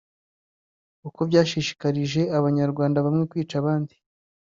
uko bwashishikarije abanyarwanda bamwe kwica abandi